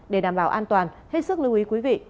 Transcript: để đảm bảo an toàn hết sức lưu ý quý vị